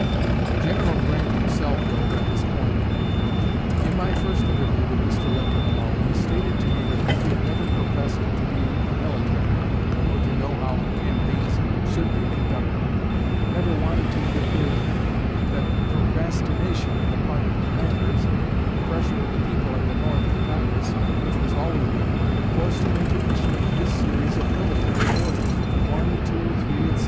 General Grant himself wrote, on this point: "In my first interview with Mr. Lincoln alone, he stated to me that he had never professed to be a military man, or to know how campaigns should be conducted, and never wanted to interfere in them; but that procrastination on the part of commanders, and the pressure of the people at the North and Congress, which was always with him, forced him into issuing his series of 'Military Orders' one, two, three, etc.